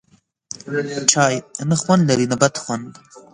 چای، نه خوند لري نه بد خوند